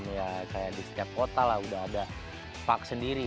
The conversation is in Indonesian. ya kayak di setiap kota lah udah ada park sendiri